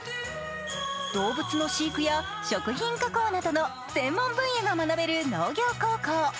動物の飼育や食品加工などの専門分野が学べる農業高校。